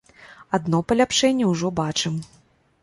Адно паляпшэнне ўжо бачым.